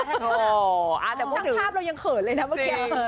แต่พวกภาพเรายังเขินเลยนะเมื่อกี้